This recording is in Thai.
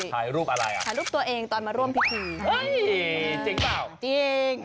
ถ่ายรูปอะไรอ่ะถ่ายรูปตัวเองตอนมาร่วมพิธีเฮ้ยจริงเปล่าจริง